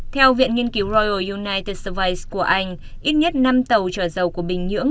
theo viện nghiên cứu royal united service của anh ít nhất năm tàu trở dầu của bình nhưỡng